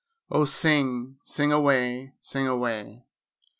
Oh, sing, sing away, sing away!